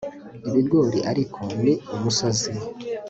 Ibigori ariko ni umusozi